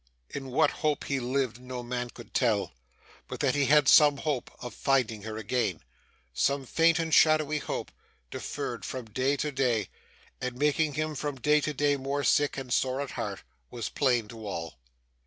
In what hope he lived, no man could tell; but that he had some hope of finding her again some faint and shadowy hope, deferred from day to day, and making him from day to day more sick and sore at heart was plain to all.